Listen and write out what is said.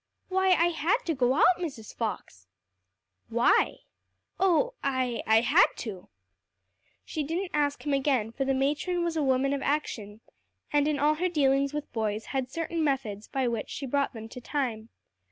"Why, I had to go out, Mrs. Fox." "Why?" "Oh I I had to." She didn't ask him again, for the matron was a woman of action, and in all her dealings with boys had certain methods by which she brought them to time.